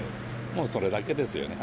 もうそれだけですよね。